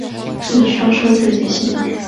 一说出自己姓。